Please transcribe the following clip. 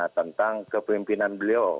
tentang kepemimpinan beliau